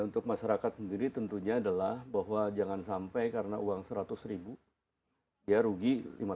untuk masyarakat sendiri tentunya adalah bahwa jangan sampai karena uang seratus ribu ya rugi